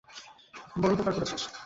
বড় উপকার করেছিস!